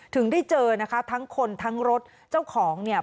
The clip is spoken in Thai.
ถึงได้เจอนะคะทั้งคนทั้งรถเจ้าของเนี่ย